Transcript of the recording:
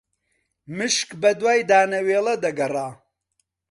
مشک بەدوای دانەوێڵە دەگەڕا